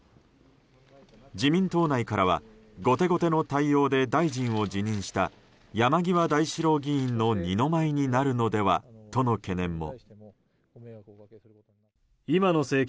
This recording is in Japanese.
自民党内からは後手後手の対応で大臣を辞任した山際大志郎議員の二の舞になるのではとの懸念も。